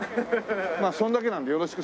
まあそんだけなんでよろしく。